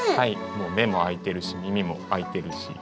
もう目も開いてるし耳も開いてるし。